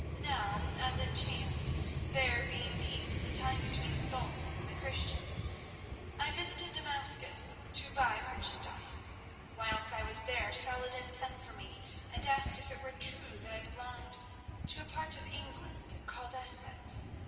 "Now, as it chanced, there being peace at the time between the Sultan and the Christians, I visited Damascus to buy merchandise. Whilst I was there Saladin sent for me and asked if it were true that I belonged to a part of England called Essex.